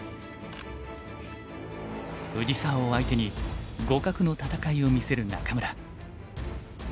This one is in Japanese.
藤沢を相手に互角の戦いを見せる仲邑。